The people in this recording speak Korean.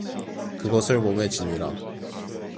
그것을 몸에 지니라.